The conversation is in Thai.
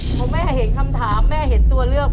พอแม่เห็นคำถามแม่เห็นตัวเลือก